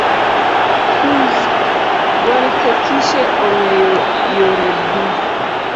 Kuz Welkekishe ong'eyo yore du